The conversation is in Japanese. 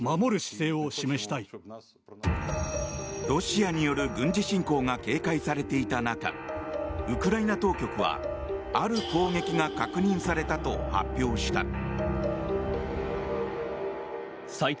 ロシアによる軍事侵攻が警戒されていた中ウクライナ当局はある攻撃が確認されたと発表した。